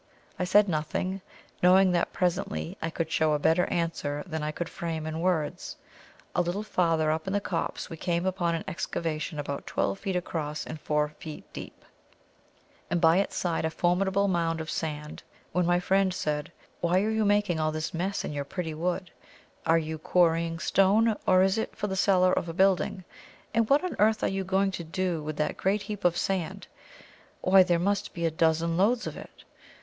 I said nothing, knowing that presently I could show a better answer than I could frame in words. A little farther up in the copse we came upon an excavation about twelve feet across and four deep, and by its side a formidable mound of sand, when my friend said, "Why are you making all this mess in your pretty wood? are you quarrying stone, or is it for the cellar of a building? and what on earth are you going to do with that great heap of sand? why, there must be a dozen loads of it."